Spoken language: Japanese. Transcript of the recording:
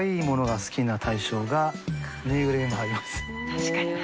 確かにな。